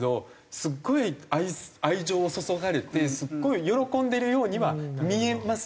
すごい愛情を注がれてすごい喜んでるようには見えますよ。